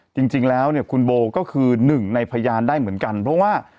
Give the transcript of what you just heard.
จริงแล้วเนี่ยคุณโบก็คือหนึ่งในพยานได้เหมือนกันเพราะว่า